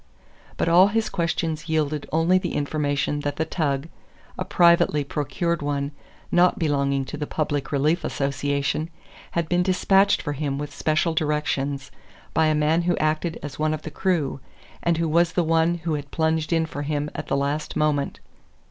But all his questions yielded only the information that the tug a privately procured one, not belonging to the Public Relief Association had been dispatched for him with special directions, by a man who acted as one of the crew, and who was the one who had plunged in for him at the last moment.